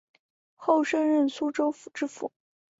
后升任苏州府知府